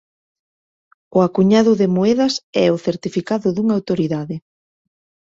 O acuñado de moedas é o certificado dunha autoridade.